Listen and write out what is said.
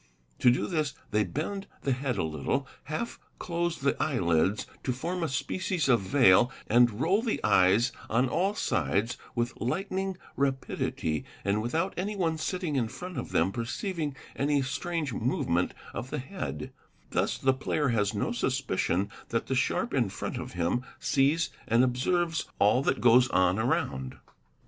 To do this they bend the head a little, half close the eye lids to form a species of veil, and roll the eyes on all sides with lightning rapidity, and without any one sitting in front of them perceiving any strange movement of the head; thus the player has no suspicion that the sharp in front of him sees and observes ~ all that goes on around.